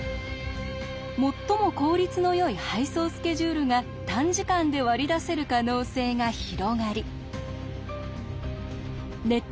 もっとも効率のよい配送スケジュールが短時間で割り出せる可能性が広がりネット